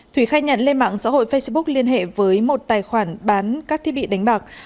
thủy khai nhận lên mạng xã hội facebook liên hệ với một tài khoản bán các thiết bị đánh bạc